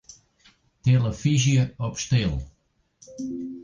Tillefyzje op stil.